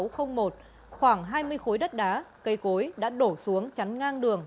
khoảng hai mươi khối đất đá cây cối đã đổ xuống chắn ngang đường